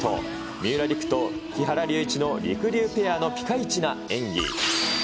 三浦璃来と木原龍一のりくりゅうペアのピカイチな演技。